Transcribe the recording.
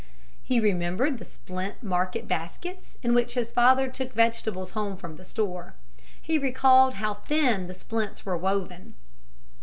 He remembered the splint market baskets in which his father took vegetables home from the store. He recalled how the thin splints were woven.